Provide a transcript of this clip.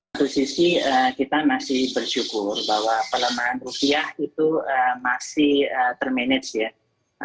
satu sisi kita masih bersyukur bahwa pelemahan rupiah itu masih termanage ya